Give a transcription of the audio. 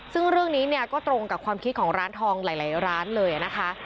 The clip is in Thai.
ซึ่งเรื่องนี้เนี่ยก็ตรงกับความคิดของร้านทองหลายร้านเลยนะคะ